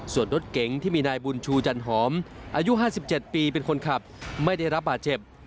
ส่วนรถเก๋งที่มีนายบุญชูจันหอมอายุ๕๗ปีเป็นคนขับไม่ได้รับบาดเจ็บ